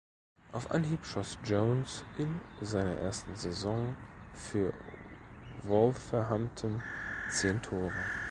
Auf Anhieb schoss Jones in seiner ersten Saison für Wolverhampton zehn Tore.